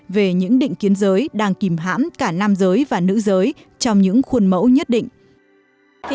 về những định kiến giới đang kìm hãm cả nam giới và nữ giới trong những khuôn mẫu nhất định